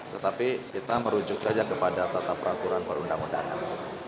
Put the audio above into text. tetapi kita merujuk saja kepada tata peraturan perundang undangan